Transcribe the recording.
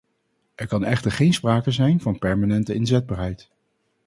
Er kan echter geen sprake zijn van permanente inzetbaarheid.